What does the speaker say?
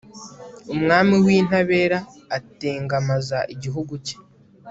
umwami w'intabera atengamaza igihugu cye